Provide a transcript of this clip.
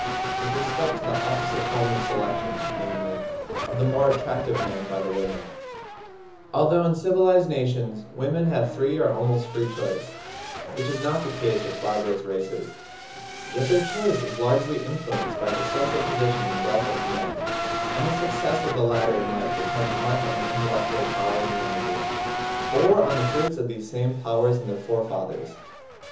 With respect to the opposite form of selection, namely, of the more attractive men by the women, although in civilised nations women have free or almost free choice, which is not the case with barbarous races, yet their choice is largely influenced by the social position and wealth of the men; and the success of the latter in life depends much on their intellectual powers and energy, or on the fruits of these same powers in their forefathers.